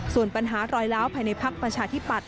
ส่วนปัญหารอยล้าวภายในพักประชาธิปัตย